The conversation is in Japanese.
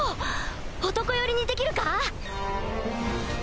男寄りにできるか？